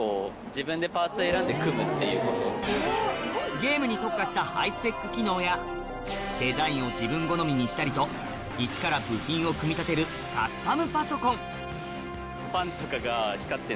ゲームに特化したハイスペック機能やデザインを自分好みにしたりとイチから部品を組み立てるカスタムパソコン